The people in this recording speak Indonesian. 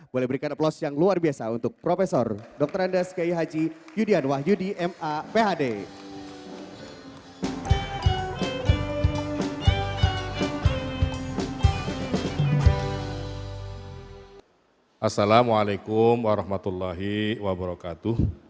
boleh berikan aplaus yang luar biasa untuk prof dr rendes k h yudian wahyudi maphd